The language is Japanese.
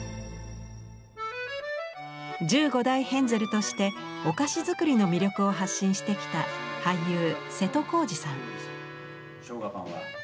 １５代ヘンゼルとしてお菓子作りの魅力を発信してきた俳優瀬戸康史さん。